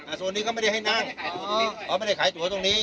อ่าส่วนนี้ข้ามนั่งนะใช่อ่าส่วนนี้ก็ไม่ได้ให้นั่งอ๋อไม่ได้ขายตั๋วตรงนี้